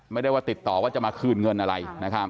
ไม่ได้ว่าติดต่อว่าจะมาคืนเงินอะไร